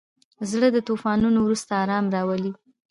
زړه د طوفانونو وروسته ارام راولي.